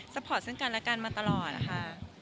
พอร์ตซึ่งกันและกันมาตลอดค่ะ